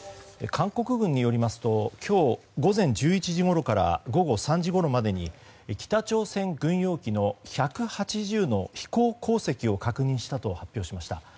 韓国軍によりますと今日午前１１時ごろから午後３時ごろまでに北朝鮮軍用機の１８０の飛行航跡を確認したと発表しました。